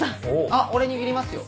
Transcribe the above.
あっ俺握りますよ。